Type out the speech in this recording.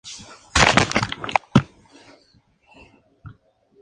Fue ascendido a coronel por estas dos batallas.